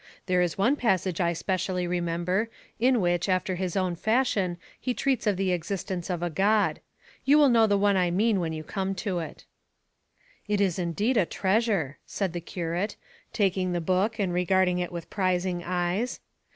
There is one passage I specially remember in which after his own fashion he treats of the existence of a God. You will know the one I mean when you come to it." "It is indeed a treasure!" said the curate, taking the book and regarding it with prizing eyes.